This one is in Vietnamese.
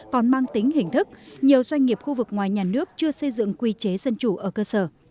còn mang tính hình thức nhiều doanh nghiệp khu vực ngoài nhà nước chưa xây dựng quy chế dân chủ ở cơ sở